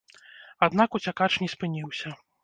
Аднак уцякач не спыніўся.